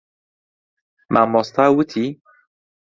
مامۆستا وتی.